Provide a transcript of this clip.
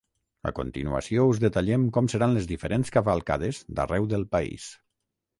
A continuació us detallem com seran les diferents cavalcades d’arreu del país.